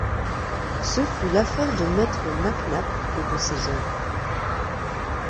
Ce fut l’affaire de maître Mac Nap et de ses hommes.